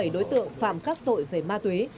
hai trăm linh bảy đối tượng phạm các tội về ma tuế